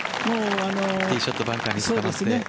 ティーショットバンカーにつかまって。